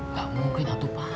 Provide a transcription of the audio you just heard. gak mungkin atu pak